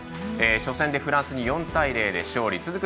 初戦でフランスに４対０で勝利続く